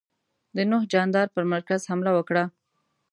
د نوح جاندار پر مرکز حمله وکړه.